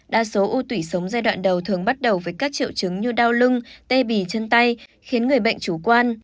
đa số u tủy sống giai đoạn đầu thường bắt đầu với các triệu chứng như đau lưng tê bì chân tay khiến người bệnh chủ quan